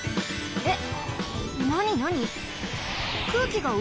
えっ？